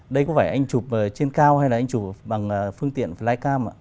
đây có phải anh chụp trên cao hay là anh chụp bằng phương tiện flycam ạ